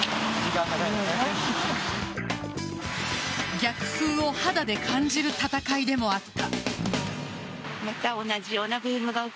逆風を肌で感じる戦いでもあった。